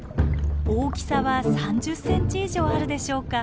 大きさは３０ｃｍ以上あるでしょうか。